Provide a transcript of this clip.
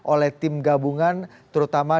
oleh tim gabungan terutama